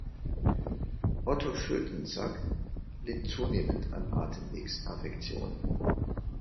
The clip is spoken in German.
Otto Schoetensack litt zunehmend an Atemwegs-Affektionen.